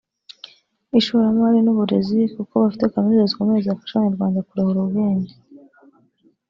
ishoramari n’uburezi kuko bafite kaminuza zikomeye zafasha Abanyarwanda kurahura ubwenge